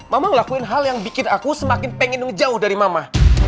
mama ngelakuin hal yang bikin aku semakin pengen jauh dari mama